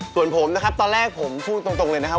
ส่วนผมนะครับตอนแรกผมพูดตรงเลยนะครับ